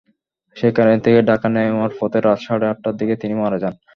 সেখান থেকে ঢাকা নেওয়ার পথে রাত সাড়ে আটটার দিকে তিনি মারা যান।